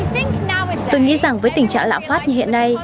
tôi nghĩ rằng với tình trạng lạm phát như hiện nay